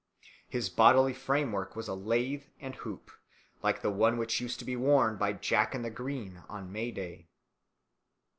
His bodily framework was a lath and hoop, like the one which used to be worn by Jack in the Green on May Day.